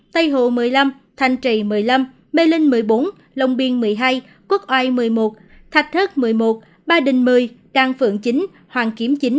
tây hồ một mươi năm thanh trì một mươi năm mê linh một mươi bốn long biên một mươi hai quốc oai một mươi một thạch thất một mươi một ba đình một mươi đan phượng chín hoàng kiếm chính